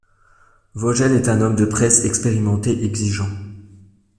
Vogel est un en homme de presse expérimenté exigeant.